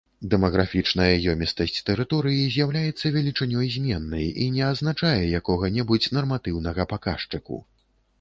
Дэмаграфічная ёмістасць тэрыторыі з'яўляецца велічынёй зменнай і не азначае якога-небудзь нарматыўнага паказчыку.